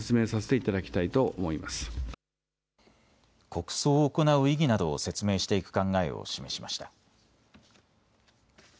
国葬を行う意義などを説明していく考えを示しました。